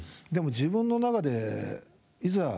でも自分の中でいざ